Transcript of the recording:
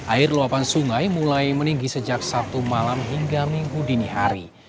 air luapan sungai mulai meninggi sejak sabtu malam hingga minggu dini hari